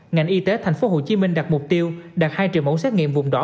ngành y tế thành phố hồ chí minh đặt mục tiêu đạt hai triệu mẫu xét nghiệm vùng đỏ